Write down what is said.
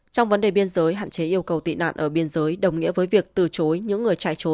trong vấn đề biên giới hạn chế yêu cầu tị nạn ở biên giới đồng nghĩa với việc từ chối